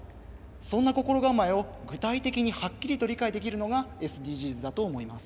そんな心構えを具体的にはっきりと理解できるのがＳＤＧｓだと思います。